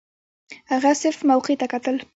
هغه صرف موقع ته کتل.